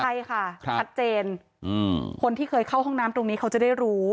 ใช่ค่ะชัดเจนคนที่เคยเข้าห้องน้ำตรงนี้เขาจะได้รู้